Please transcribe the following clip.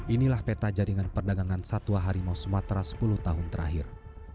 inilah peta jaringan perdagangan satwa harimau sumatera sepuluh tahun terakhir